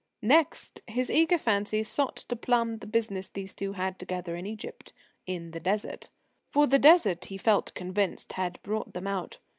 Next, his eager fancy sought to plumb the business these two had together in Egypt in the Desert. For the Desert, he felt convinced, had brought them out.